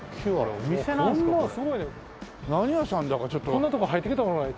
こんなとこ入ってきた事ない。